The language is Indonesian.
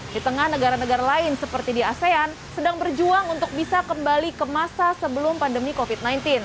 di tengah negara negara lain seperti di asean sedang berjuang untuk bisa kembali ke masa sebelum pandemi covid sembilan belas